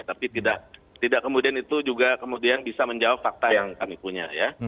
tapi tidak kemudian itu juga kemudian bisa menjawab fakta yang kami punya ya